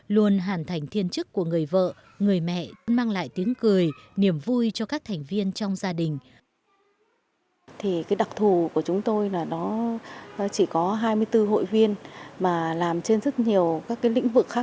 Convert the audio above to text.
luôn hoàn thành thiên chức của người vợ người mẹ mang lại tiếng cười niềm vui cho các thành viên trong gia đình